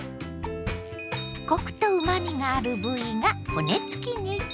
コクとうまみがある部位が骨付き肉。